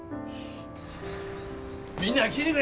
みんな聞いてくれ！